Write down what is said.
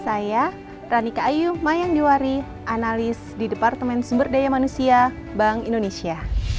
saya ranika ayu mayangdiwari analis di departemen sumberdaya manusia bank indonesia